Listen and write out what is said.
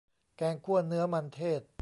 แกงคั่วเนื้อมันเทศ